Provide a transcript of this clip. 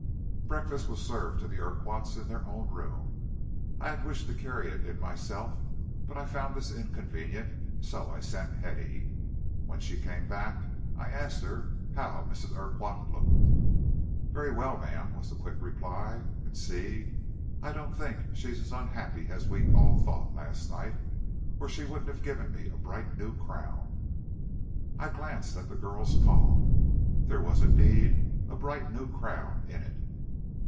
Breakfast was served to the Urquharts in their own room. I had wished to carry it in myself, but I found this inconvenient, and so I sent Hetty. When she came back I asked her how Mrs. Urquhart looked. "Very well, ma'am," was the quick reply. "And see! I don't think she's as unhappy as we all thought last night, or she wouldn't be giving me a bright new crown." I glanced at the girl's palm. There was indeed a bright new crown in it.